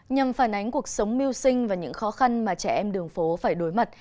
nhằm phản ánh cuộc sống mưu sinh và những khó khăn mà trẻ em đường phố phải đối mặt